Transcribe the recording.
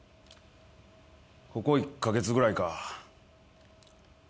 ここ１カ月ぐらいか。